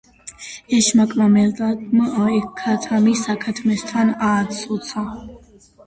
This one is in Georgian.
ეშმაკმა მელამ ქათამი საქათმიდან ააცოცა.